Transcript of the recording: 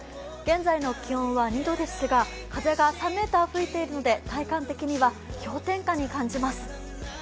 現在の気温は２度ですが、風が３メーター吹いているので、体感的には氷点下に感じます。